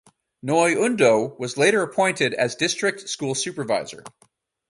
Noy Undo was later appointed as district school supervisor.